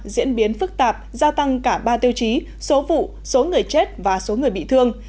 diễn biến phức tạp gia tăng cả ba tiêu chí số vụ số người chết và số người bị thương